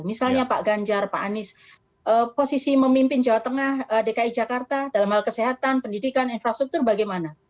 misalnya pak ganjar pak anies posisi memimpin jawa tengah dki jakarta dalam hal kesehatan pendidikan infrastruktur bagaimana